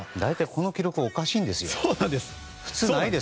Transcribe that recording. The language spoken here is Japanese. この記録おかしいんですよ。